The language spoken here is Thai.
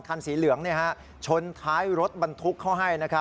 คันสีเหลืองชนท้ายรถบรรทุกเขาให้